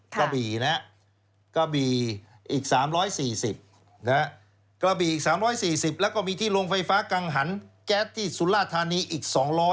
กระบี่อีก๓๔๐แล้วก็มีที่โรงไฟฟ้ากังหันแก๊สที่สุรราชธานีอีก๒๐๐